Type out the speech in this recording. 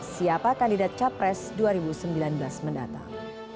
siapa kandidat capres dua ribu sembilan belas mendatang